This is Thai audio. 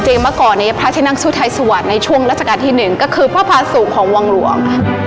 จริงเมื่อก่อนพระเช่นนั่งสุทัยสวรรค์ในช่วงราชการที่๑ก็คือพระพระสูงของวังหลวง